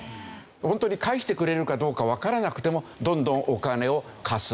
ホントに返してくれるかどうかわからなくてもどんどんお金を貸す。